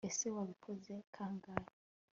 ese wabikoze kangahe